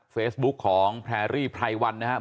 เฟซบุ๊คของแพรรี่ไพรวันนะครับ